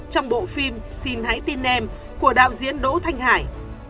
trong bộ phim xin hãy tin em của đạo diễn đỗ thanh hải